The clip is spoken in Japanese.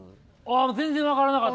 全然分からなかった。